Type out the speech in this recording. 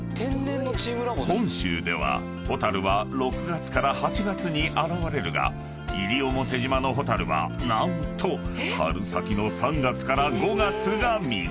［本州ではホタルは６月から８月に現れるが西表島のホタルは何と春先の３月から５月が見ごろ］